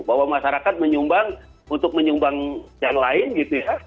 bahwa masyarakat menyumbang untuk menyumbang yang lain gitu ya